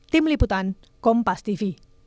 tim liputan kompas tv